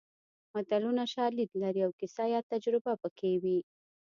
متلونه شالید لري او کیسه یا تجربه پکې وي